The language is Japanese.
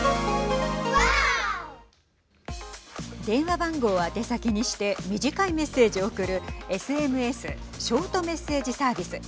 電話番号を宛先にして短いメッセージを送るＳＭＳ＝ショートメッセージサービス。